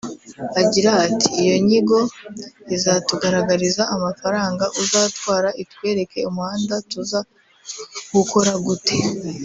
Agira ati “Iyo nyigo izatugaragariza amafaranga uzatwara…itwereke umuhanda tuzawukora gute